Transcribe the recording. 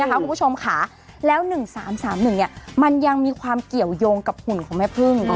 คุณผู้ชมค่ะแล้ว๑๓๓๑มันยังมีความเกี่ยวยงกับหุ่นของแม่พึ่ง